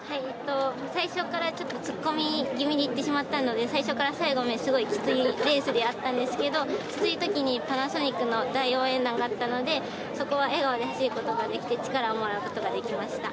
最初からちょっと突っ込み気味にいってしまったので、最初から最後、すごいきついレースであったんですけど、きついときにパナソニックの大応援団があったのでそこは笑顔で走ることができて力をもらうことができました。